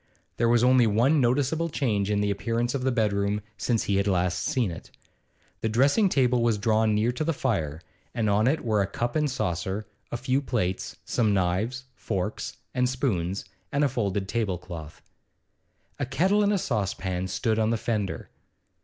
There was only one noticeable change in the appearance of the bedroom since he had last seen it. The dressing table was drawn near to the fire, and on it were a cup and saucer, a few plates, some knives, forks, and spoons, and a folded tablecloth. A kettle and a saucepan stood on the fender.